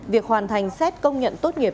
việc hoàn thành xét công nhận tốt nghiệp